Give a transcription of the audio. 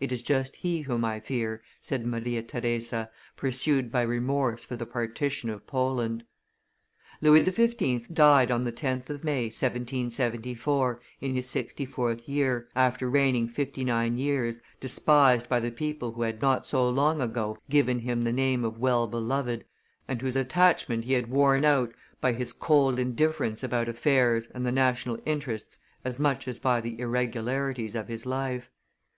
"It is just He whom I fear," said Maria Theresa, pursued by remorse for the partition of Poland. Louis XV. died on the 10th of May, 1774, in his sixty fourth year, after reigning fifty nine years, despised by the people who had not so long ago given him the name of Well beloved, and whose attachment he had worn out by his cold indifference about affairs and the national interests as much as by the irregularities of his life.